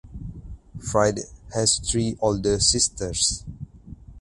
Friedl has three older sisters.